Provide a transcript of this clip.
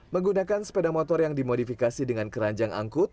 menggunakan sepeda motor yang dimodifikasi dengan keranjang angkut